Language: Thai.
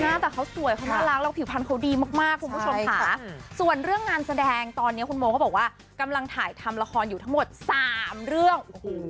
หน้าแต่เขาสวยเขาน่ารักแล้วผิวพันธ์เขาดีมากคุณผู้ชมค่ะส่วนเรื่องงานแสดงตอนนี้คุณโมเขาบอกว่ากำลังถ่ายทำละครอยู่ทั้งหมด๓เรื่อง